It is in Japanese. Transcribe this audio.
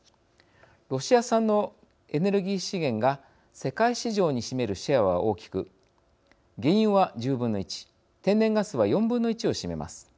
ロシア産のエネルギー資源が世界市場に占めるシェアは大きく原油は１０分の１天然ガスは４分の１を占めます。